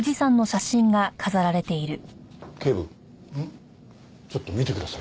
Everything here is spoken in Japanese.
警部ちょっと見てください